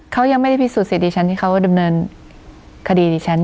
เขายังไม่ได้พิสูจนเสียดิฉันที่เขาดำเนินคดีดิฉัน